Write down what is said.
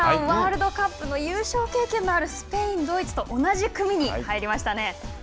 ワールドカップの優勝経験のあるスペイン、ドイツと同じ組に入りましたね。